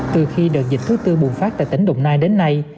từ khi đợt dịch thứ tư bùng phát tại tỉnh đồng nai đến nay